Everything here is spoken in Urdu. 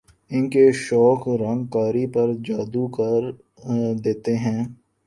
ان کے شوخ رنگ قاری پر جادو کر دیتے ہیں